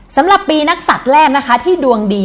สำหรับปีนักศัตริย์แรกนะคะที่ดวงดี